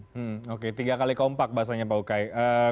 hmm oke tiga kali kompak bahasanya pak ukay